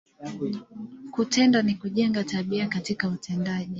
Kutenda, ni kujenga, tabia katika utendaji.